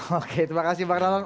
oke terima kasih bang rahlan